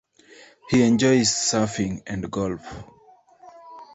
He enjoys surfing and golf.